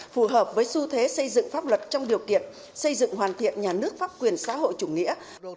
phù hợp với xu thế xây dựng pháp luật trong điều kiện xây dựng hoàn thiện nhà nước pháp quyền xã hội chủ nghĩa